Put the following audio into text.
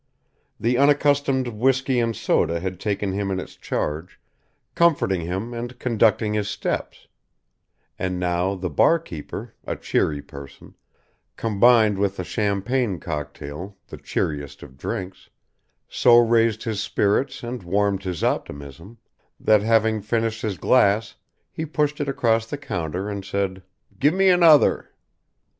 The unaccustomed whiskey and soda had taken him in its charge, comforting him and conducting his steps, and now the bar keeper, a cheery person, combined with the champagne cocktail, the cheeriest of drinks, so raised his spirits and warmed his optimism, that, having finished his glass he pushed it across the counter and said, "Give me another."